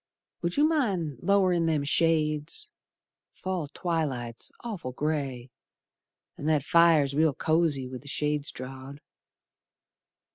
Would you mind lowerin' them shades, Fall twilight's awful grey, An' that fire's real cosy with the shades drawed.